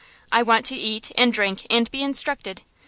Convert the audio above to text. I want to eat and drink and be instructed.